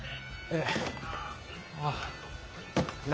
ええあぁ。